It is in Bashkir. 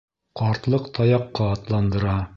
Ҡартлыҡ таяҡҡа атландыра.